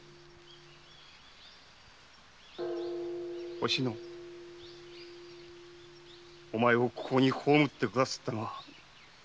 おしのお前をここに葬ってくださったのは。